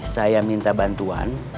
saya minta bantuan